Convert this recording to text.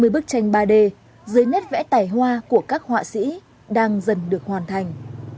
ba mươi bức tranh ba d dưới nét vẽ tài hoa của các họa sĩ đang dần được hoàn thành